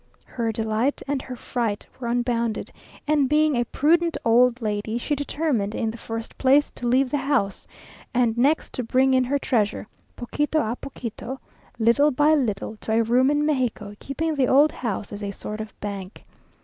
Her delight and her fright were unbounded; and, being a prudent old lady, she determined, in the first place, to leave the house, and next to bring in her treasure, poquito a poquito (little by little), to a room in Mexico, keeping the old house as a sort of bank.